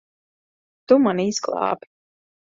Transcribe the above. Tu mani izglābi.